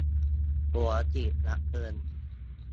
หัวฉีดดับเพลิง